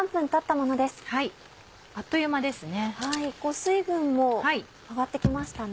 水分も上がって来ましたね。